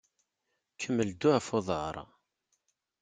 Kemmel ddu ɣef uḍaṛ.